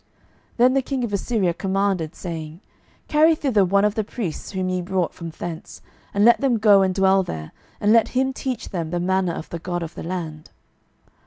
12:017:027 Then the king of Assyria commanded, saying, Carry thither one of the priests whom ye brought from thence; and let them go and dwell there, and let him teach them the manner of the God of the land.